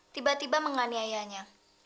tiba tiba mengalami ayahnya